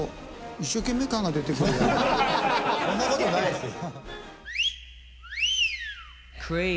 そんな事ないですよ。